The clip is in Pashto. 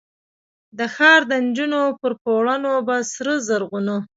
د ښار دنجونو پر پوړونو به، سره زرغونه،